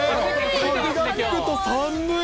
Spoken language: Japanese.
風が吹くと寒い。